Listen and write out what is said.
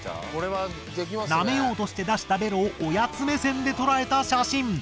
なめようとして出したベロをおやつ目線で捉えた写真。